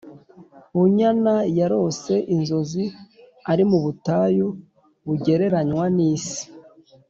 Bunyan Yarose inzozi ari mu butayu bugereranwa n’isi,